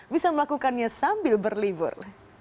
bisa melakukannya sambil berlibur